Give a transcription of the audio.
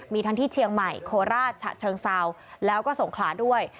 มีทั้งที่เชียงใหม่โคราชฉะเชิงเซาแล้วก็สงขลาด้วย